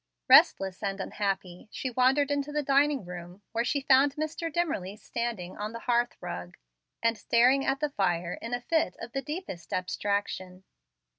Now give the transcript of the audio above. Restless and unhappy, she wandered into the dining room, where she found Mr. Dimmerly standing on the hearth rug, and staring at the fire in a fit of the deepest abstraction.